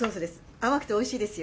甘くておいしいですよ。